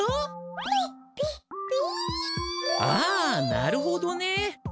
ああなるほどね。